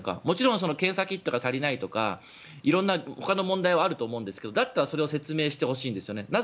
もちろん検査キットが足りないとか色んなほかの問題はあると思うんですけどだったらそれを説明してほしいんですよね。